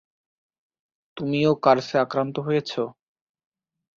তুমিও কার্সে আক্রান্ত হয়েছো?